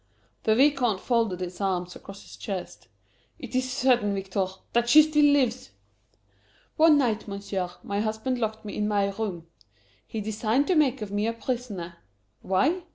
The Vicomte folded his arms across his chest. "It is certain, Victor, that she still lives!" "One night, Monsieur, my husband locked me in my room. He designed to make of me a prisoner. Why?